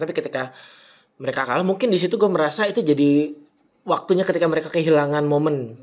tapi ketika mereka kalah mungkin disitu gue merasa itu jadi waktunya ketika mereka kehilangan momen